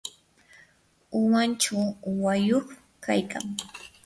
umanchaw uwayuq kaykan.